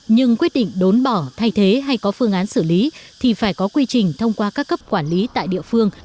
nhưng quyết định đốn bỏ thay thế hay có phương án xử lý thì phải có quy trình thông qua các cấp quản lý tại địa phương